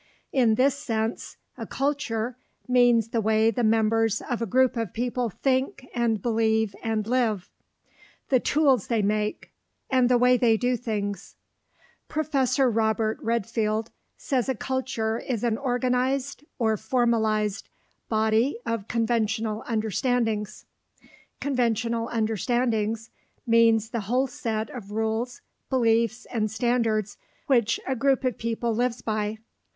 In this sense, a CULTURE means the way the members of a group of people think and believe and live, the tools they make, and the way they do things. Professor Robert Redfield says a culture is an organized or formalized body of conventional understandings. "Conventional understandings" means the whole set of rules, beliefs, and standards which a group of people lives by.